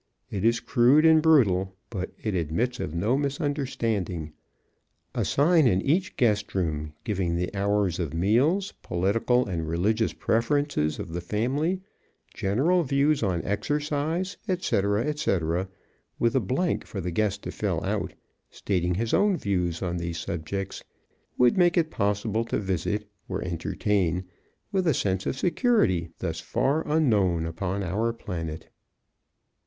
It is crude and brutal, but it admits of no misunderstanding. A sign in each guest room, giving the hours of meals, political and religious preferences of the family, general views on exercise, etc., etc., with a blank for the guest to fill out, stating his own views on these subjects, would make it possible to visit (or entertain) with a sense of security thus far unknown upon our planet.